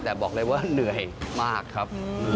แต่บอกเลยว่าเหนื่อยมากครับ